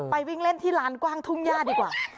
วิ่งเล่นที่ร้านกว้างทุ่งญาติดีกว่า